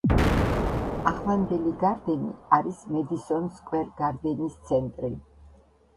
ახლანდელი გარდენი არის მედისონ სკვერ გარდენის ცენტრი.